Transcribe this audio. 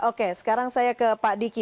oke sekarang saya ke pak diki